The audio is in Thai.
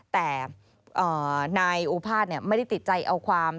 แต่นายโอภาษย์ไม่ได้ติดใจเอาความ